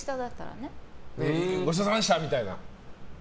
ごちそうさまでしたみたいな。